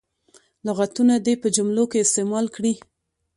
لغتونه دې په جملو کې استعمال کړي.